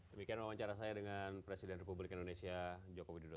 demikian wawancara saya dengan presiden republik indonesia jokowi dodo